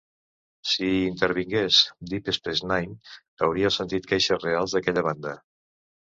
Si hi intervingués "Deep Space Nine", hauríeu sentit queixes reals d'aquella banda.